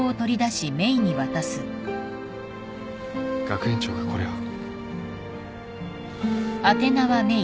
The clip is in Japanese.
学園長がこれを。